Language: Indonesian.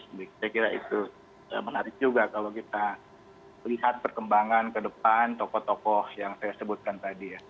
saya kira itu menarik juga kalau kita lihat perkembangan ke depan tokoh tokoh yang saya sebutkan tadi ya